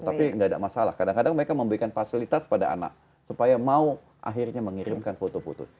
tapi nggak ada masalah kadang kadang mereka memberikan fasilitas pada anak supaya mau akhirnya mengirimkan foto foto